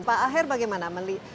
pak aher bagaimana